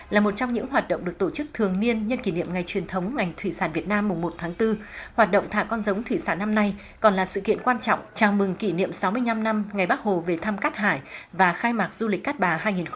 là một trong những hoạt động được tổ chức thường niên nhân kỷ niệm ngày truyền thống ngành thủy sản việt nam mùng một tháng bốn hoạt động thả con giống thủy sản năm nay còn là sự kiện quan trọng chào mừng kỷ niệm sáu mươi năm năm ngày bắc hồ về thám cát hải và khai mạc du lịch cát bà hai nghìn hai mươi bốn